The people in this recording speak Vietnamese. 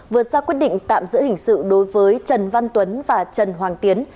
vừa ra quyết định tạm giữ hình sự đối với trần văn tuấn và trần hoàng tiến